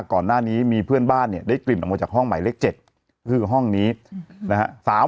ก่อนหน้านี้มีเพื่อนบ้านเนี่ยได้กลิ่นออกมาจากห้องหมายเลข๗ก็คือห้องนี้นะฮะ